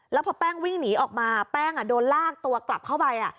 แล้วพอแป้งวิ่งหนีออกมาแป้งโดนลากตัวกลับเข้าไป